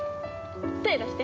手ぇ出して。